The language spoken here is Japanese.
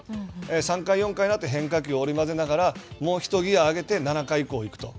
３回、４回になって変化球を織り交ぜながら、もう１ギア上げて７回以降に行くと。